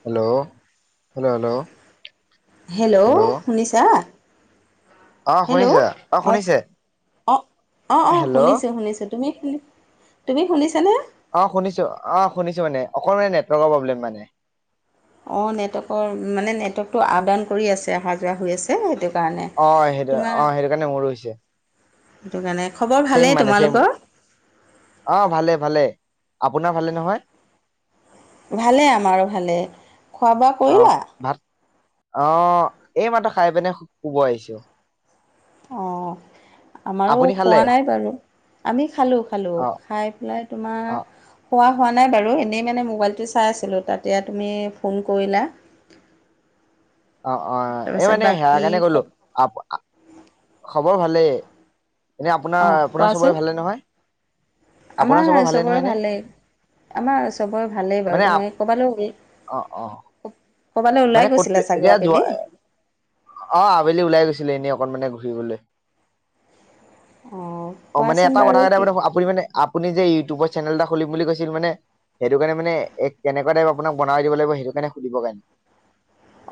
Hello hello hello hello শুনিছা অ hello শুনিছা অ শুনিছে অ অ অ হেল্ল' শুনিছো শুনিছো তুমি তুমি খুুলিছানে অ শুনিছো অ শুনিছো মানে অক মানে নেটৱৰ্কৰ প্ৰব্লেম মানে অঁ নেটৱৰ্কৰ মানে নেটৱৰ্কটো আপ ডাউন কৰি আছে অহা যোৱা হৈ আছেটো অ সেইটো অ সেইটো কাৰণে মোৰ হৈছে সেইটো কাৰণে খবৰ চম ভালেই মানে চম তোমালোকৰ অ ভালে ভালে আপোনাৰ ভালে নহয় ভালে আমাৰো ভালে খোৱা বোৱা কৰিলা আহ এই মাহটো খাই পিনে শুব আহিছো অ আমাৰো আপুনি খালে হোৱা নাই বাৰু আমি খালো খালো অ খাই পেলাই তোমাৰ অ খোৱা হ নাই বু এনেই মান মোবাইটো চ আছিলো তা তুমি ফোন কৰিলা অ অ এই তাৰপিছত মানে সেয়া বাকী কাৰণে ক কলো আ খবৰ ভালেই এনে অ আপোনাৰ আপোনাৰ কোৱাচোন সবৰে ভালে নহয় আপোনাৰ আমাৰ ভালে নহয় চবৰে নে ভালেই আমাৰ চবৰে ভালেই মানে বাৰু তোমি ক'ৰবালৈও হ'ল অ অ মানে ক চাগৈ এতিয়া যোৱা আবেলি অ অ আবেলি ওলাই গৈছিলে এনে ঘৰিবলৈ অ মানে কোৱাচোন এটা কথা বাৰু কি কটা আপুনি মানে আপুনি যে ইউটিউব চেল এ খুলিম বুলি কৈছিল মানে সেইটো কাৰণে মানে এক কেনেকুৱা টাইপ আপোনাক বনাই দিব লাগিব সেইটো কাৰণে সুধিব কাৰণে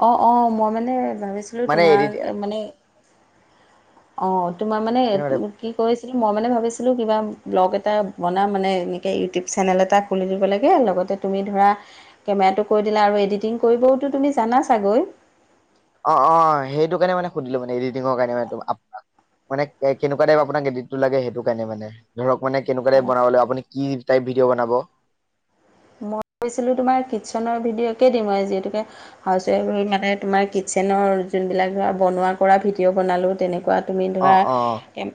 অঁ অঁ মই মানে ভাবিছিলোঁ মানে এডি তোমাৰ মানে অ তোমাৰ মানে কেনেকুৱা টাইপ কি কৈছে কি মই মানে ভাবিছিলোঁ কিবা ব্লগ এটা বনা মানে এনেকৈ ইউটিউব চেনেল এটা খুলি দিব লাগে লগতে তুমি ধৰা কেমেৰাটো কৈ দিলা আৰু এডিটিং কৰিবওতো তুমি জানা চাগৈ অ অ সেইটো কাৰণে মানে সুধিলো মানে এডিটিঙৰ কাৰণে মানে আপোনাক মানে কেনেকা টাইপ আপোনাক গেডতটো লাগে সেইটো কাৰণে মানে ধৰক মানে কেনেকুৱা টাইপ বনাব লাগ আপুনি কি টাইপ ভিডিঅ' বনাব মই গৈছিলোঁ তোমাৰ কিটচেনৰ ভিডিঅ' একে দি মই যিহেতুকে হাউচৱাইফ ৰৈ মানে তোমাৰ কিটচেনৰ ভিডিঅ' বননেকুৱ তুমি অ অ ধ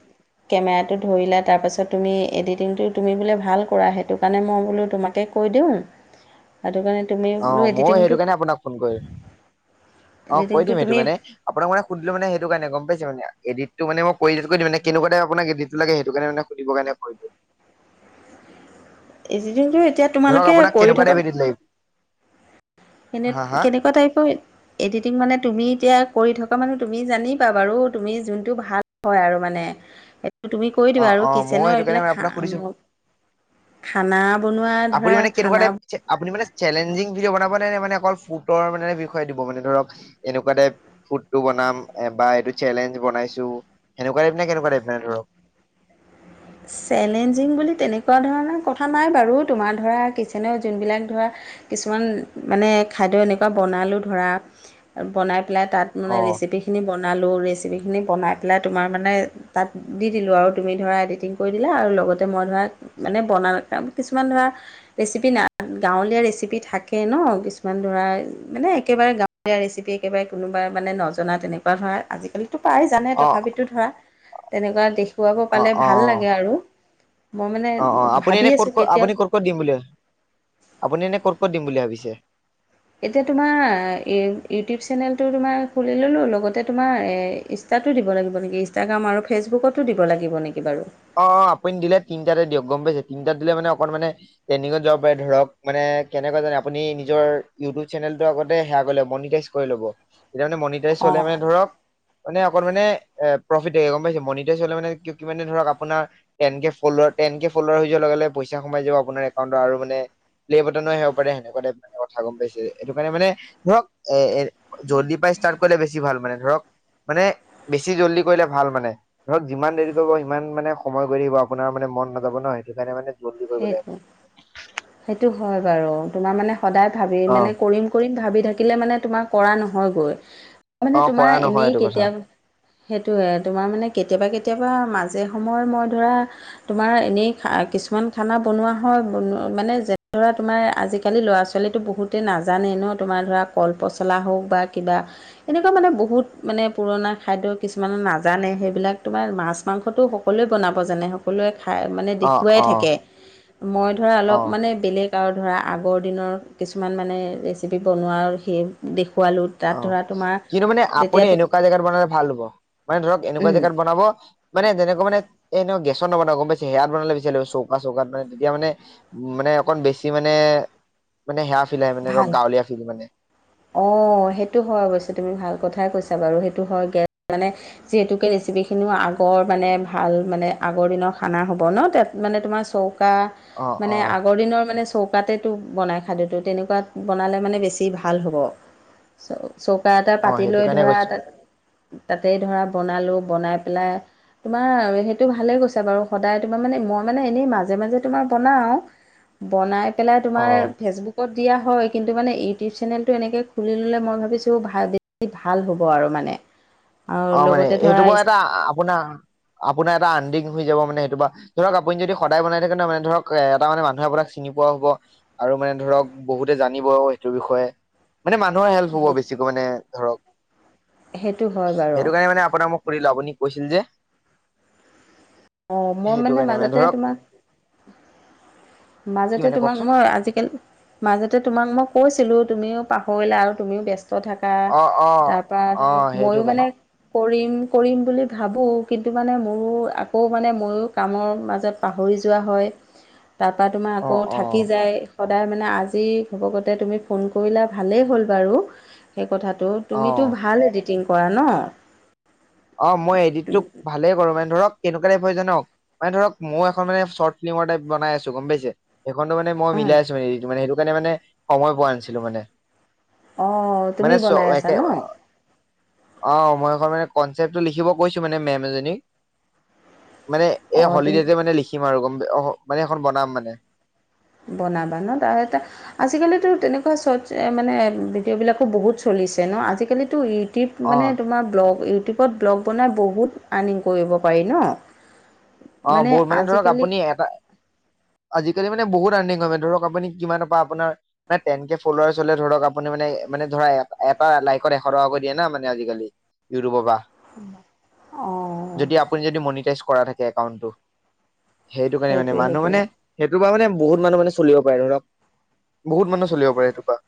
কেমেৰাটো ধৰিলো তাৰপাছত তুমি এডিটিংটো তুমি বোলে ভাল কৰা সেইটো কাৰণে মই বোলো তোমাকে কৈ দিওঁ সেইটো কাৰণে তুমি অ বোলো ময়ো এডিটিংটো সেইটো কাৰণে আপোনাক ফোন কৰিম অ কৈ এডিটিংটো দিম তুমি সেইটো মানে আপোনাক মানে সুধিলো মানে সেইটো কাৰণে গম পাইছে মানে এডিত মান মই কৰি দিম মানে কেকুৱা াই আপোনাক এডটো লাগে সেইটো কাৰণোনে সুধিব কাৰণেটো [unintelligible] এই যিটো এতিয়া তোমালোকে কৰি কেনেকুৱা থকা টাইপ এডিট লাগিব কেনে হা হা কেনেকুৱা টাইপৰ এডিটিং মানে তুমি এতিয়া কৰি থকা মানুহ তুমি জানিিবা বাৰু তুমি যোনটো ভাল হয় আৰু মানে [unintelligible] তুমি কৈ অ দিবা আৰু অ ময়ো কিচেনৰ সেইটো কাৰণে এইবিলাক মানে খা আপোনাক সুধিছো খানা বনোৱা আপুনি ধৰা মানে খানা কেনেকুৱা াই আপুনি মানে চেলেঞ্জিং ভিডিঅ' বনাব নে নে মানে অকল ফুটৰ মানে বিষয় দিব মানে ধৰ এনেকুৱা টাইপ ফুট টো ব াম বা এইটো চেলেঞ্জ বনাইছো সেনেকুৱা টাইপ ন কেনেকুৱা টাইপ ন ধৰক চেলেঞ্জিং বুলি তেনেকুৱা ধৰণৰ কথা নাই বাৰু তোমাৰ ধৰা কিচেনৰ যোনবিলাক ধৰা। কিছুমান মানে খাদ্য এনেকুৱা বনালোঁ ধৰা বনাই। পেলাই তাত মানে অ ৰেচিপি খিনি বনাই। বনালোঁ ৰেচিপিখিনি বনাই পেলাই তোমাৰ মানে তাত দি দিলোঁ আৰু তুমি ধৰা এডিটিং কৰি দিলা আৰু লগতে মই ধৰা মানে বনা কিছুমান ধৰা ৰেচিপি না গাঁৱলীয়া ৰেচি ৰেচিপি থাকে ন কিছুমান ধৰা মানে একেবাৰে গাঁৱলীয়া ৰেচিপি একেবাৰে কোনোবা মানে নজনাত তেনেকুৱা ধৰা আজিকালিতো প্ৰায় জানে অ তথাপিতো ধৰা তেনেকুৱা দেখুৱাব অ পালে অ ভাল লাগে। গে আৰু মই মানে অ', অ', আপুনি ভাবি এনেই ক'ত আছোঁ ক' কেতিয়া আপুনি ক'ত ক'ত দিম বুলি আপুনি এনে ক'ত ক'ত দিম বুলি ভাবিছে? এতিয়া তোমাৰ ইউটিউব চেনেলটো তোমাৰ খুলি ল'লোঁ লগতে তোমাৰ ই নষ্টাতো দিব লাগিব নেকি ইনষ্টাগ্ৰাম আৰু ফেচবুকতো দিব লাগিব নেকি বাৰু? অ' অ' আপুনি দিলে তিনিটাতে দিয়ক গম পাইছে। তিনিটাত দিলে মানে অকণ মানে‌‌ ট্ৰেনদিঙত যাব পাৰে ধৰক মানে এ কেনেকে জানিম। আপোনি নিজৰ ইউটিউব চেনেলটো আগতে আ কৰি লব মনিটাইজ কৰি ল'ব। তেতিয়া মানে মনিটাৰজ অ হলে মানে ধৰক মানে ধৰক মানে প্ৰফিটেই গম পাইছে। মনিটাইজ হলে মানে কি মানে ধৰক আপ আপোনাৰ ten K follower ten K follower হৈ যোৱাৰ লগে লগে পইচা সোমাই যাব আপোনাৰ একাউন্টত আৰু মানে ল্লে বতনো আহিব পাৰে সেনেকুৱা টাইপ কথা গম পাইছে। সেইটো কাৰণে মানে ধৰক এ এ জদি পাই ষ্টাৰ্ট কৰিলে বেছি ভাল মানে ধৰক মানে বেছি জল্দি কৰিলে ভাল মানে ধৰক যিমান দেৰি কৰিব সিমান মানে সময় গৈ থাকিব আপোনাৰ মানে মন নাযাব না সেইটো কাৰণে মানে জল্দি কৰিব লাগে সেইটো সেইটো হয় বাৰু তোমাৰ মানে সদায় ভাবি অ মানে কৰিম কৰিম ভাবি থাকিলে মানে তোমাৰ কৰা নহয়গৈ। মানে অ তোমাৰ কৰা নহয় এনেই এইটো কথা কেতিয়া সেইটোয়ে তোমাৰ মানে কেতিয়াবা কেতিয়াবা মজ জে সময় মই ধৰা তোমাৰ এনেই আ কিছু কিছুমান খানা বনোৱা হয় মানে যেনে ধৰা তোমাৰ আজিকালি ল'ৰা ছোৱালীতো বহুতে নাজানে ন। তোমাৰ ধৰা কল পচলা হওক বা কিবা তেনেকুৱা মানে বহুত মানে পুৰণা খাদ্য কিছুমান নাজানে সেইবিলাক। তোমাৰ মাছ মাংসটো সকলোৱে বনাব জানে সকলোৱে খাই মানে অ দেখুৱাই অ থাকে। মই ধৰা অ অলপ মানে বেলেগ আৰু ধৰা আগৰ দিনৰ কিছুমান মানে ৰেচিপি বনোৱাৰ সেই দেখ অ', কিন্তু মানে আপুনি তেতিয়াতো এনেকুৱা জেগাত বনালে ভাল হব মানে ধৰক এনেকুৱা উম, জেগাত বনাব মানে তেনেকুৱা মানে এই ন গেছ ছত নবনাব গম পাইছে। হেৰিয়াত বনালে বেচিলাগিব। চৌকা চৌকাত মানে তেতিয়া মানে মানে অকণ বেছি মানে মানে সেয়া ফিল আহে মানে ৰ' ভাল গাঁৱলীয়া ফিল মানে। অঁ সেইটো হয় অৱশ্যে তুমি ভাল কথাই কৈছা বাৰু সেইটো হয় গে মানে যিহেতুকে ৰেচিপিখিনিও আগৰ মানে ভাল মানে আগৰ দিনৰ খানা হ'ব ন। তেত মানে তুমাৰ চৌ চৌকা অ মানে অ আগৰ দিনৰ মানে চৌকাতেটো বনাই খালে তো তেনেকুৱা চৌকাট বনালে মানে বেছি ভাল হ'ব। চৌ চৌকা এটা অ পাতি সেইটো লৈ কাৰণে ধৰা কৈছো তাত তাতেই ধৰা বনালোঁ বনাই পেলাই তোমাৰ সেইটো ভালেই কৈছা বাৰু সদায় তোমাৰ মানে মই মানে এনেই মাজে মাজে তোমাৰ বনাওঁ। বনাই পেলাই অ তোমাৰ ফেচবুকত দিয়া হয় কিন্তু মানে ইউটিউব চেনেলটো এনেকৈ খুলি ল'লে মই ভাবিছোঁ ভা বেছি ভাল হ'ব আৰু মানে। [inaudible] আৰু অ' মানে লগতে ধৰা এইটোৰ পৰা এটা আ আপোনাৰ আপোনাৰ এটা আনডিং হৈ যাব মানে আপোনাৰ। ধৰক আপুনি যদি সদায় বনাই থাকে ন মানে ধৰক এটা মানে মানুহে আপোনাক চিনি পোৱা হ'ব আৰু মানে ধৰক বহুতে জানিব সেইটো বিষয়ে মানে মানুহৰ হেল্প হ'ব বেছিকৈ মানে ধৰক সেত সেইটো কাৰণে মানে আপোনাক মোক সুধিলো আপুনি কৈছিল যে। অ' মই সেইটো মানে কাৰণে মাজতে ধৰক তোমাক কি মাজতে মানে তোমাক কওকচোন মই আজিকালি মাজতে তোমাক মই কৈছিলো তুমিও পাহৰিলা আৰু তুমিও ব্যস্ত থাকা। অ অ তাৰপৰা অ তুমি সেইটো ময়ো কাৰণে মানে কৰিম কৰিম বুলি ভাবোঁ কিন্তু মানে মোৰো আকৌ মানে ময়ো কামৰ মাজত পাহৰি যোৱা হয়। [inaudible] তাৰপৰা তোমাৰ অ আকৌ অ থাকি যায়। সদায় মানে আজি [unintelligible] তুমি ফোন কৰিলা ভালেই হ'ল বাৰু সেই কথাত। [unintelligible] অ তুমিতো ভাল এডিটিং কৰা নহ। অ মই এডিটটো ভালে কৰোঁ মানে ধৰক। কেনেকুৱা টাইপ হয় জানো মানে ধৰক মই এখন চৰ্ট ফিল্মৰ টাইপ বনাই আছোঁ গম পাইছে। সিখনত মানে মিলাইছো হেৰিটো মানে সেইটো কাৰণে মানে সময় পোৱা নাছিলো মানে। অ', তুমি মানে চ বনাই আছা একে ন? অ মই এখন মানে। কনচেপ্টটো লিখিব কৈছোঁ মানে মেম এজনী। মানে এই অ', তুমি হলিডেতে মানে লিখিম আৰু গ মানে এখন বনাম মানে। বনাবা নহ ত আজিকালি তেনেকুৱা চ'ৰ্ত মানে ভিডিঅ' বিলাকো বহুত চলি। দিছে নহ আজিকালিতো ই। ইউটিউব অ মানে তোমাৰ ব্লগ ইউটিউবত ব্লগ বনাই বহুত আৰ্নিং কৰিব পাৰি নহ। অ বৌ মানে ধৰক আপুনি এটা আজি। কালি মানে বহুত আৰ্নিং হয় ধৰক আপুনি কিমানৰ পৰা আপোনাৰ মানে টেন কে ফলোৱাৰাৰ্চ হলে ধৰক আপুনি মানে মানে। ধৰা এটা লাইকত এশ টকাকৈ দিয়ে না মানে আজিকালি ইউটিউবৰ পৰা। অঁ যদি আপুনি যদি মনিটাইজ কৰা থাকে একাউণ্টটো। সেইটো কাৰণে মানে সেইটোৱে মানুহ মানে সেইটোৱে সেইটো বা মানে। বহুত মানুহ মানে চলিব পাৰে ধৰক বহুত মানুহ চলিব পাৰে সেইটোৰ পৰা।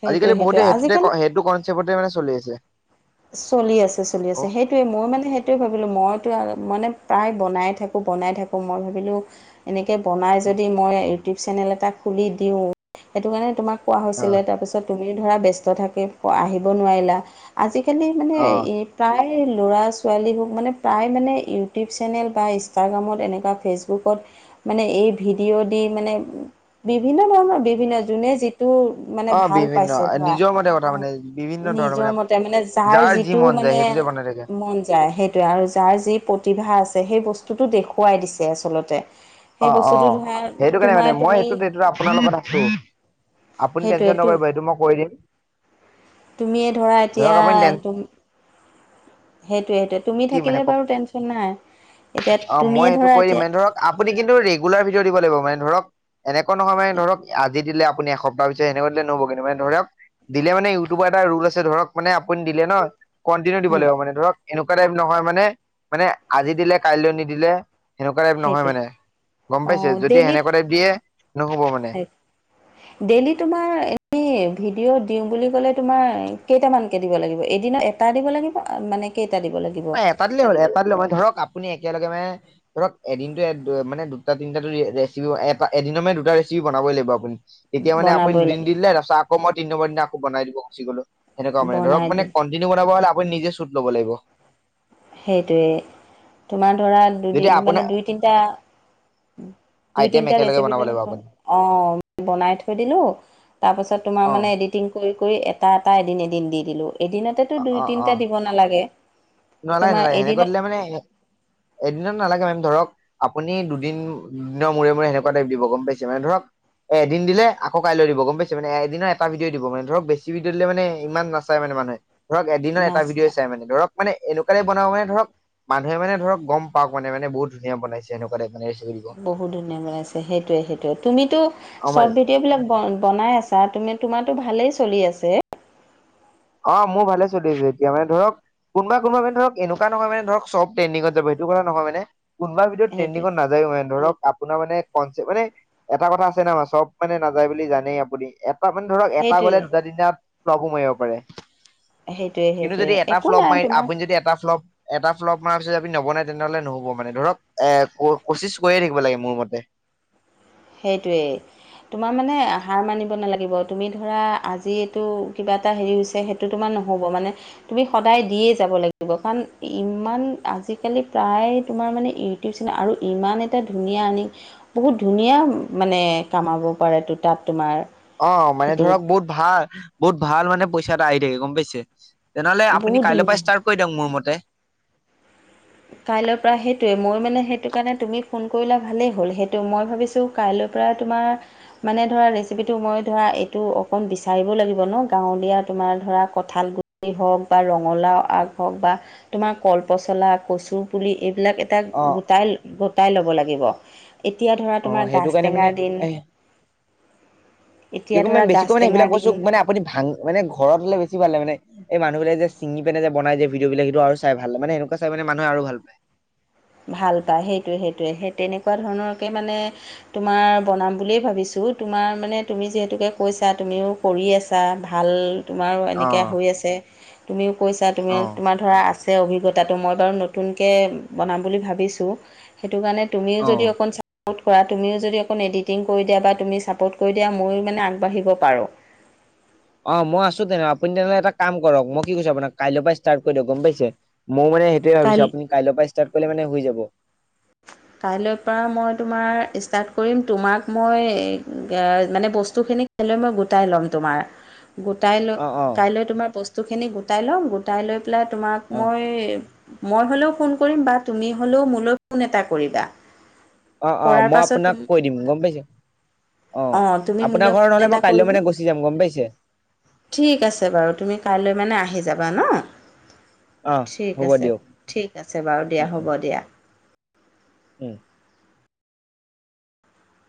সেইটোৱে আজিকালি সেইটোৱে বহুতে সেইতে আজিকালি সেইটো কনচেপ্টতে মানে চলি আছে। চলি আছে চলি অ আছে সেইটোৱে মই মানে সেইটোৱে ভাবিলো মইতো মানে। প্ৰায় বনাই থাকোঁ বনাই থাকোঁ মই ভাবিলোঁ এনেকৈ বনাই যদি মই ইউটিউ। চেনেল এটা খুলি দিওঁ সেইটো কাৰণে তোমাক কোৱা অ হৈছিলে তাৰপিছত। তুমি ধৰা ব্যস্ত থাকে আহিব নোৱাৰিলা আজিকালি মানে অ এই প্ৰায়। প্ৰায় ল'ৰা ছোৱালীবোৰ মানে প্ৰায় মানে ইউটিউব চেনেল বা ইনষ্টাগ্ৰামত এনেকুৱা ফেচবুকত। মানে এই ভিডিঅ' দি মানে বিভিন্ন ধৰণৰ বিভিন্ন যোনে। টো মানে অ ভাল বিভিন্ন পাইছে ধৰা নিজৰ মতে কথা মানে বিভিন্ন ধৰণৰ নিজৰ মতে মানে। যাৰ যি যিটো মন যায় মানে সেইটোতে বনাই থাকে মন যায় সেইটোয়ে আৰু যাৰ যি প্ৰতিভা। সেই বস্তুটো দেখুৱাই দিছে আচলতে। অ সেই অ বস্তুটো ধৰা সেইটো কাৰণে তোমাৰ মানে মই তুমি সেইটোত সিটোত আপোনাৰ লগত আছোঁ। আপুনি সেইটোৱে টেনচন তু নকৰিব এইটো মই কৰি দিম। তুমিয়ে ধৰা ধৰক আপুনি টেন এতিয়া। সেইটোৱে সেইটোে তুমি কি মানে থাকিলে কওক বাৰু টেনচন নাই এতিয়া অ তুমিয়ে মই সেইটো ধৰা কৰি দিম এতিয়া। মানে ধৰক আপুনি কিন্তু ৰেগুলাৰ ভিডিঅ' দিব লাগিব মানে ধৰক এনেকুৱা নহয় মানে ধৰক আজি দিলে। আপুনি এসপ্তাহ পিছ এনেকৈ দিলে নহব কিন্তু মানে ধৰক দিলে মানে ইউটিউব এটা ৰুল আছে ধৰক মানে আপুনি দিলে নহ। কণ্টিনিউ দিব হম লাগিব মানে ধৰক এনেকুৱা টাইপ নহয় মানে মানে আজি দিলে কাইলৈ নিদিলে। সেনেকুৱা টাইপ নহয় সেইটোৱে মানে গম পাইছে অ' যদি ডেইলি সেনেকুৱা টাইপ দিয়ে নহব মানে। ডেইলি তোমাৰ এ ভিডিঅ'। দিওঁ বুলি ক'লে তোমাৰ কেইটামানকে দিব লাগিব এদিনত এটা দিব লাগিব মানে কেইটা। দিব লাগিব এটা দিলে হ'ল এটাত লৈ মই ধৰক আপুনি। এতিয়ালৈকে মানে ধৰক এদিন মানে দুটা তিনিটাটো ৰেচিপি এটা এদিনত মানে দুটা ৰেচিপি বনাম। লাগিব আপুনি তেতিয়া মানে আপুনি বনাবই দুদিন লাগিব। দিলে তাৰপিছত আকৌ মই তিনি নম্বৰ দিনা আক বনাই দিব গুচি গ'লো। সেনেকুৱা মানে ধৰক বনাই মানে দিম কণ্টিনিউ বনাব হ'লে আপুনি নিজে চুট ল'ব লাগিব। সেইটোৱে তোমাৰ ধৰা দুদ যদি মানে আপোনাৰ দুই তিনিটা। দুই আইটেম তিনিটা একেলগে ৰেচিপি বনাব লাগিব মানে আপুনি অ বনাই থৈ দিলোঁ। তাৰ পাছত তোমাৰ মানে অ', এডিটিং। কৰি এটা এটা এদিন এদিন দি দিলো এদিনতেতো দুই তিনটা দিব নালাগে। নলাগে তোমাৰ নলাগে সেনেকৈ এদিনত দিলে মানে এদিনত নালাগে মেম ধৰক আপুনি দুদিন দুদিনৰ মূৰে মূৰে সনেকুৱা টাইপ দিব গম পাইছে মানে ধৰক এ এদিন দিলে আকৌ কাইলৈ দিব গম পাইছ মে এদিনৰ এটা ভিডিঅ' দিবা মানে ধৰক বেছি ভিডিঅ' দিলে মানে ইমান নচাই মানে। মানুহে ধৰক এদিনৰ এটা নাচা ভিডিঅ'ই চাই মানে ধৰক। মানে এনেকুৱা টাইপ বনাব মানে ধৰক মানুহে মানে ধৰক গম পাওঁক মানে, মানে বহুত ধুনীয়া বনাইছে এনেকুৱা টাইপ। মানে ৰেচিপি দিব বহুত ধুনীয়া বনাইছে সেইটোৱে, সেইটোশে। তুমিতো অ মানে চৰ্ট ভিডিঅ'বিলাক বনাই আছা, তুমি তোমাৰ ভালেই চলি আছে। অ', মো ভালেই চলি আছে, এতিয়া মানে ধৰক কোনোবা কোনোবা ক্ষেত্ৰত ধৰক, এনেকুৱা নহয় মানে ধৰক, চব টেন্ডিংত যাব সেটো কথা নহয় মানে। কোনোবা ভিডিঅ' সেইটোৱে ট্ৰেণ্ডিংত নাজায়ো মানে ধৰক আপ আপোনাৰ মানে কনচেপ মানে, এটা কথা আছে ন' মানে চব মানে নাযায় বুলি জানেই আপুনি এপ তাৰ মানে ধৰক এটা সেইটোৱে গ'লে দুটা, তিনটা প্ৰভু মাৰিব পাৰে। সেইটোৱে কিন্তু সেইটোৱে যদি এটা একো ফ্লপ নাই মাই তোমাৰ আপুনি যদি এটা ফ্লপ এটা ফ্লপ মৰাৰ পিছত আপুনি নবনাই তেন্তে হ'লে নহ'ব মানে ধৰক এ ক কচিছ কৰিয়ে থাকিব লাগে মোৰ মতে। [inaudible] সেইটোৱেই। তোমাৰ মানে হাৰ মানিব নালাগিব তুমি ধৰা আজি এইটো কিবা এটা হেৰি হৈছে সেইটো তোমাৰ নহ'ব মানে, তুমি সদায় দিয়েই যাব লাগিব কাৰণ ইমান আজি কালি প্ৰায় তোমাৰ মানে ইটিউব চেনেল আৰু ইমান এটা ধুনীয়া আনিং বহুত ধুনীয়া মানে কামাব পাৰে দুটাত। অ', মানে ধৰক বহুত ভাল, বহুত ভাল মানে পইচা এটা আহি থাকে গম পাইছে? তেনেহ'লে বহুত আপুনি কাইলৈপা ধুনীয়া ইষ্টাৰ্ট কৰি দিয়ক মোৰ মতে কাইলৈ পৰা সেইটোয়ে মই মানে, সেইটোকাৰণে তুমি ফোন কৰিলা ভালেই হ'ল, সেইটো মই ভাবিছোঁ কাই লৈ পৰা তোমাৰ মানে ধৰা ৰেছিপিটো মই ধৰা এইটো অকন বিচাৰিবয়ো লাগিব ন? গাঁৱলীয়া তে তোমাৰ ধৰা কঠাল গুটি হওঁক বা ৰঙালাউ আগ হওঁক বা তোমাক কল পচলা কচু পুলি এইবিলাক এটা অ গোটাই, গোটাই ল'ব লাগিব। এতিয়া ধৰা অ তোমাৰ সেইটো কাৰণে মানে গাজটেঙাৰ দিন। এ কি এতিয়া ক' ধৰা মানে বেছিকৈ গাজ মানে টেঙাৰ সেইবিলাক বস্তু দিন মানে আপুনি ভাং মানে ঘৰত হ'লে বেছি ভালে মানে এই মানুহবিলাকে যে ছিঙি পেনে যে বনাই যে ভিডিঅ' বিলাক, সেইটো আৰু চাই ভাল মানে এনেকুৱা চাই মানে মানুহে আৰু ভাল পায়। ভাল পায়, সেইটোৱে, সেইটোৱে সেই তেনেকুৱা ধৰণৰকে মানে তোমাৰ বনাম বুলিয়েই ভাবিছোঁ। বো তোমাৰ মানে তুমি যিহেতুকে কৈছা, তুমিও কৰি আছা ভাল তোমাৰো অ এনেকে হৈ আছে তুমিও কৈছা, তুমি অ তোমাৰ ধৰা আছ ছে অভিজ্ঞতাটো মই বাৰু নতুনকে বনাম বুলি ভাবিছোঁ। টো কাৰণে তুমিও অ যদি অকণ চা পট কৰা, তুমিও যদি অকণ এডিটিং কৰি দিয়া বা তুমি চাপ'ট কৰি দিয়া, ময়ো মানে আগবাঢ়িব পাৰোঁ। [inaudible] অ', মই আছোঁ তেনে আপুনি তেনেহ'লে এটা কাম কৰক, মই কি কৈছোঁ আপোনাক কাইলৈৰ পৰাই ষ্টাৰ্ট কৰি দিয়ক গম পাইছে। ময়ো মানে সেইটোৱে ভাবিছোঁ আপুনি কাইলৈ পৰা ষ্টাৰ্ট কৰিলে মানে হৈ যাব। কাইলৈ পৰা মই তোমাৰ ষ্টাৰ্ট কৰিম তোমাক মই এ-এয়া মানে বস্তুখিন নি কাইলৈ মই গোটাই লম তোমাৰ। গোটাই লৈ অ অ কাইলৈ তোমাৰ বস্তুখিনি গোটাই লম গোটাই লৈ পেলাই তোমাক অ মই মই হ'লেও ফোন কৰিম বা তুমি হ'লেও মোলৈ ফোন এটা কৰিবা। অ', অ', কৰাৰ মই পাছত আপোনাক তুমি কৈ দিম, গম পাইছে। অ', অঁ তুমি মোলৈ আপোনাৰ ঘৰত ফোন নহ'লে এটা মই কাইলৈ কৰিবা মানে গুচি যাম, গম পাইছে। ঠিক আছে বাৰু, তুমি কাইলৈ মানে আহি যাব বা ন'? অ ঠিক হ'ব আছে, দিয়ক ঠিক আছে বাৰু, দিয়া উম উম হ'ব দিয়া। উম।